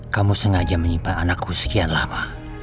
kamu sengaja menyimpan anakku sekian lama